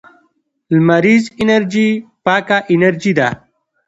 لمریزه انرژي پاکه انرژي ده